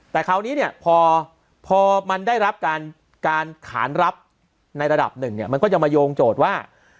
แต่คราวนี้เนี่ยพอมันได้รับการขานรับในระดับหนึ่งเนี่ยมันก็จะมาโยงโจทย์ว่า